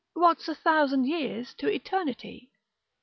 What's a thousand years to eternity?